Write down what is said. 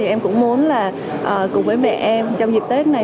em cũng muốn là cùng với mẹ em trong dịp tết này